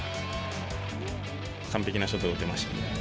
完璧なショットが打てましたね。